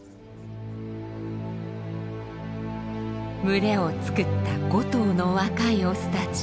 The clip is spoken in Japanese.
群れを作った５頭の若いオスたち。